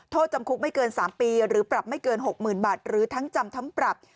โทษจำคุกไม่เกิน๓ปีหรือปรับไม่เกิน๖๐๐๐บาทหรือทั้งจำทั้งปรับ